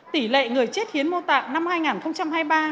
tỷ lệ người chết hiến mô tạng năm hai nghìn hai mươi ba